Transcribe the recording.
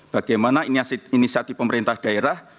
bagaimana inisiatif pemerintah daerah